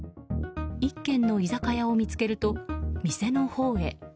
１軒の居酒屋を見つけると店のほうへ。